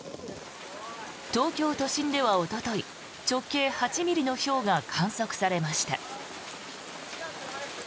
東京都心ではおととい直径８ｍｍのひょうが観測されました。